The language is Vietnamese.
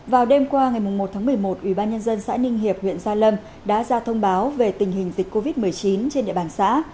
vào đêm qua ngày một một mươi một ủy ban nhân dân xã ninh hiệp huyện gia lâm đã ra thông báo về tình hình dịch covid một mươi chín trên địa bàn xã